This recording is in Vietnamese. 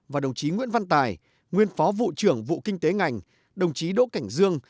và đồng chí nguyễn văn tài nguyên phó vụ trưởng vụ kinh tế ngành đồng chí đỗ cảnh dương